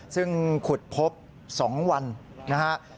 ซึ่งขุดพบ๒วันนะฮะ